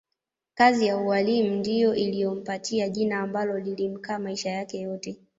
Kazi ya ualimu ndiyo iliyompatia jina ambalo lilimkaa maisha yake yote